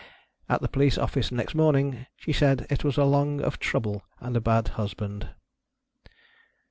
At the police office next morning, she said it was along of trouble and a bad husband.